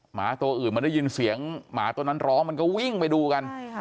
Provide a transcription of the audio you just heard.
หมาตัวอื่นมันได้ยินเสียงหมาตัวนั้นร้องมันก็วิ่งไปดูกัน